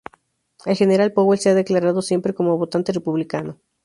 El general Powell se ha declarado siempre como votante republicano.